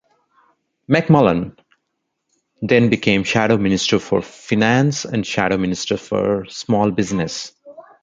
McMullan then became Shadow Minister for Finance and Shadow Minister for Small Business.